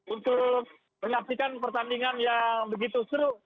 untuk menyaksikan pertandingan yang begitu seru